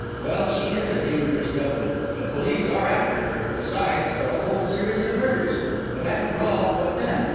'Well, she is a dangerous devil; the police are after her, besides, for a whole series of murders; but after all, what then?